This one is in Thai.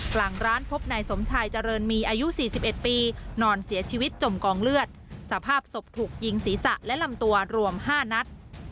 กลางร้านพบนายสมชายเจริญมีอายุ๔๑ปีนอนเสียชีวิตจมกองเลือดสภาพศพถูกยิงศีรษะและลำตัวรวม๕นัด